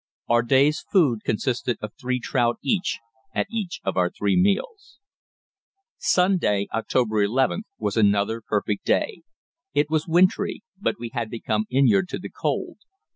Our day's food consisted of three trout each at each of our three meals. Sunday (October 11th) was another perfect day. It was wintry, but we had become inured to the cold.